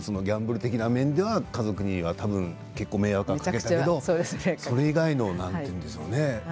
ギャンブル的な面では家族にはたぶん結構、迷惑はかけたけどそれ以外の何て言うんでしょうね